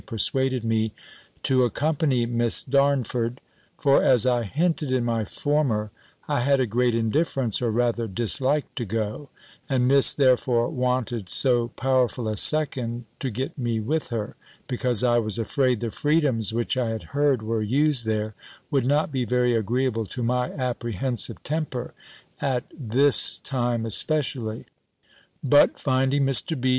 persuaded me to accompany Miss Darnford; for, as I hinted in my former, I had a great indifference, or rather dislike, to go, and Miss therefore wanted so powerful a second, to get me with her; because I was afraid the freedoms which I had heard were used there, would not be very agreeable to my apprehensive temper, at this time especially. But finding Mr. B.